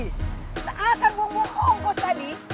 kita akan buang buang ongkos tadi